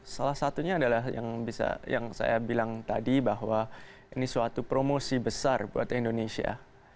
salah satunya adalah yang bisa yang saya bilang tadi bahwa ini suatu promosi besar buat indonesia